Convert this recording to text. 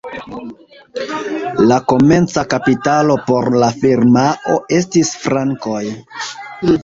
La komenca kapitalo por la firmao estis frankoj.